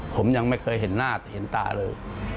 ผมยังไม่เคยเห็นหน้าเห็นตาเลย